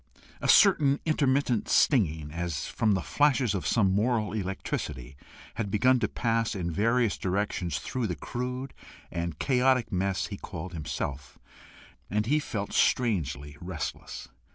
A certain intermittent stinging, as if from the flashes of some moral electricity, had begun to pass in various directions through the crude and chaotic mass he called himself, and he felt strangely restless.